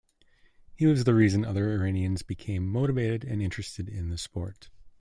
He was the reason other Iranians became motivated and interested in the sport.